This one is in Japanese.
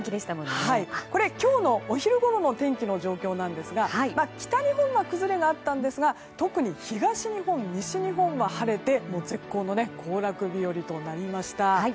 これ今日のお昼ごろの天気の状況なんですが北日本は崩れがあったんですが特に東日本、西日本は晴れて絶好の行楽日和となりました。